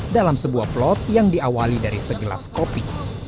dalam sebuah plot yang diawali dari segelas kopi